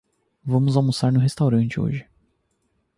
Vamos almoçar no restaurante hoje.